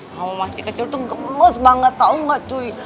kamu masih kecil tuh gemes banget tau nggak cuy